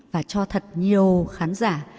và cho thật nhiều khán giả